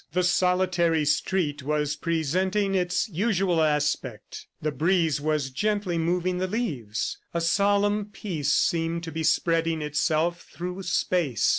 The solitary street was presenting its usual aspect, the breeze was gently moving the leaves. A solemn peace seemed to be spreading itself through space.